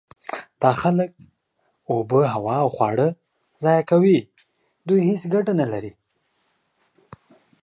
دا خلک اوبه، هوا او خواړه ضایع کوي. دوی هیڅ ګټه نلري.